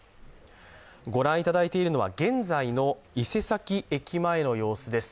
ご覧いただいているのは現在の伊勢崎駅前の様子です。